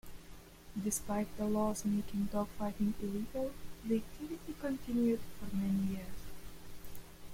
Despite the laws making dog fighting illegal, the activity continued for many years.